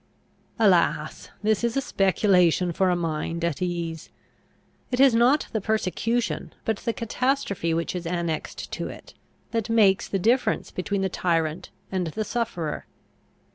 Alas, this is a speculation for a mind at ease! It is not the persecution, but the catastrophe which is annexed to it, that makes the difference between the tyrant and the sufferer!